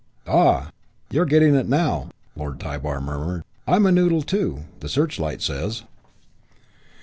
"Ah, you're getting it now." Lord Tybar murmured. "I'm a noodle, too, the Searchlight says."